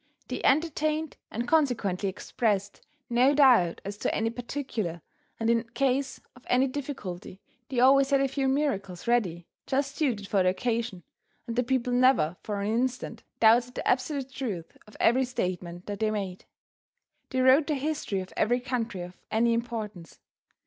They entertained, and consequently expressed, no doubt as to any particular, and in case of any difficulty they always had a few miracles ready just suited for the occasion, and the people never for an instant doubted the absolute truth of every statement that they made. They wrote the history of every country of any importance.